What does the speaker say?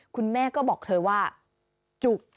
คุณแม่ก็บอกเธอว่าจุก